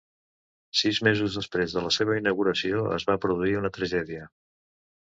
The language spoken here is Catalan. Sis mesos després de la seva inauguració es va produir una tragèdia.